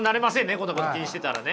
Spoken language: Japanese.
こんなこと気にしてたらね。